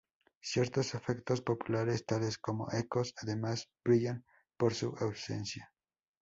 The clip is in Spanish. Ciertos efectos populares tales como ecos, además, brillan por su ausencia.